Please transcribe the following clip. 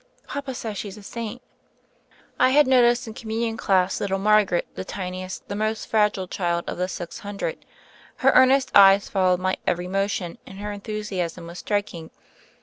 Papa says she's a saint." I had noticed in Communion dass little Margaret, the tiniest, the most fragile child of the six hundred. Her earnest eyes followed my every motion, and her enthusiasm was striking.